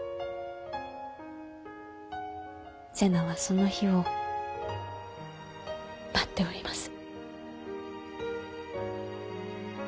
瀬名はその日を待っております。